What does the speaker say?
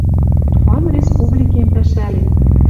Туан республикем пӓшӓлен.